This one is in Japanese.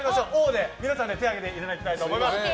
で皆さん手を挙げていただきたいと思います。